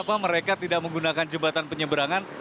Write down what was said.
kenapa mereka tidak menggunakan jembatan penyeberangan